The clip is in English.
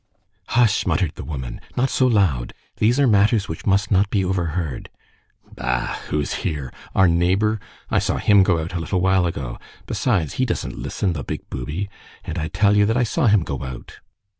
"Hush!" muttered the woman, "not so loud! These are matters which must not be overheard." "Bah! Who's here? Our neighbor? I saw him go out a little while ago. Besides, he doesn't listen, the big booby. And I tell you that I saw him go out."